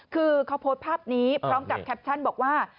คือเขาโพสต์ภาพนี้พร้อมกับแคปชั่นบอกว่า